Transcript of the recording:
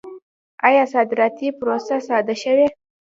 آیا صادراتي پروسه ساده شوې؟